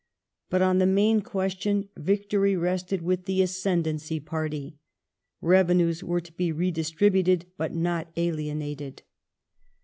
But on the main question victory rested with the Ascendancy party. Revenues were to be redistributed, but not alienated.